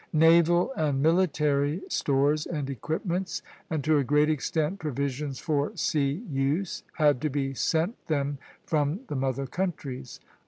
Naval and military stores and equipments, and to a great extent provisions for sea use, had to be sent them from the mother countries.